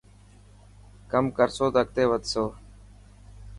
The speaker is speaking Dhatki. ڪم ڪرسو ته اڳتي وڌسو.